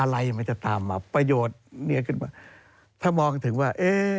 อะไรมันจะตามมาประโยชน์ถ้ามองถึงว่า